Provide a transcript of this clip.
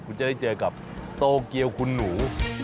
คุณจะได้เจอกับโตเกียวคุณหนู